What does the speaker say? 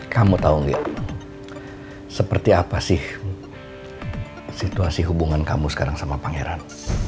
kamu tahu nggak seperti apa sih situasi hubungan kamu sekarang sama pangeran